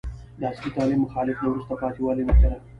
د عصري تعلیم مخالفت د وروسته پاتې والي نښه ده.